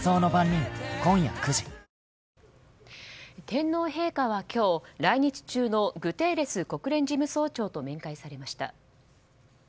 天皇陛下は今日、来日中のグテーレス国連事務総長と面会されました。